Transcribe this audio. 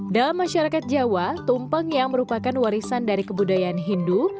dalam masyarakat jawa tumpeng yang merupakan warisan dari kebudayaan hindu